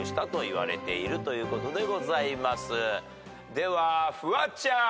ではフワちゃん。